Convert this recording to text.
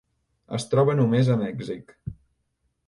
Es troba només a Mèxic.